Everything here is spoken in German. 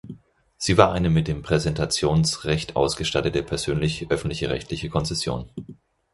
Sie war eine mit dem Präsentationsrecht ausgestattete persönliche öffentlich-rechtliche Konzession.